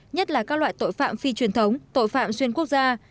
nhất là các loại tội phạm phi truyền thống tội phạm xuyên quốc gia